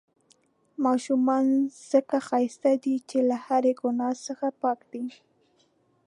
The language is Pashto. ماشومان ځڪه ښايسته دي، چې له هرې ګناه څخه پاک دي.